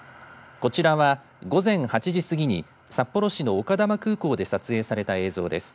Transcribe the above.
こちらは、午前８時過ぎに札幌市の丘珠空港で撮影された映像です。